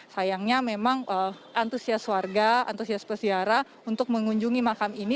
sayangnya memang antusias warga antusias peziarah untuk mengunjungi makam ini